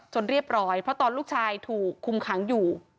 เรียบร้อยเพราะตอนลูกชายถูกคุมขังอยู่